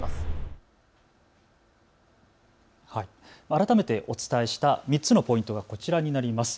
改めて、お伝えした３つのポイントがこちらになります。